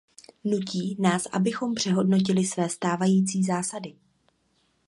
Nutí nás, abychom přehodnotili své stávající zásady.